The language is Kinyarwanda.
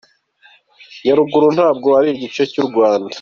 Nyaruguru ntabwo ari igice cy’u Rwanda?